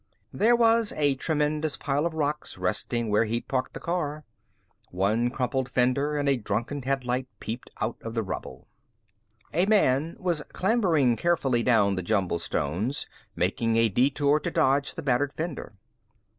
There was a tremendous pile of rocks resting where he'd parked his car. One crumpled fender and a drunken headlight peeped out of the rubble. A man was clambering carefully down the jumbled stones, making a detour to dodge the battered fender.